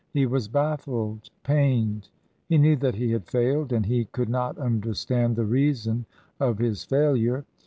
He was baffled, pained ; he knew that he had failed, and he could not understand the reason of his failure.